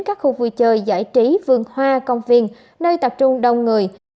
các khu vui chơi giải trí vườn hoa công viên nơi tập trung đông người